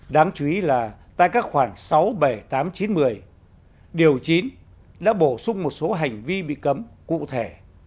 đáng chú ý là tại các khoảng sáu bảy tám chín một mươi điều chín đã bổ sung một số hành vi bị cấm cụ thể